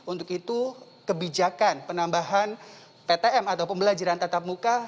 untuk itu kebijakan penambahan ptm atau pembelajaran tatap muka